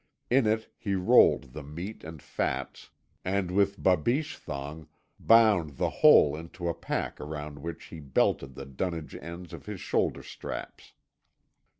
In it he rolled the meat and fats, and with babiche thong bound the whole into a pack around which he belted the dunnage ends of his shoulder straps.